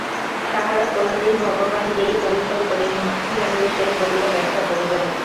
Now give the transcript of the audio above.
তাঁহারা কোন দিন ভগবানকেই তড়িতের পরিণামবিশেষ বলিয়া ব্যাখ্যা করিবেন।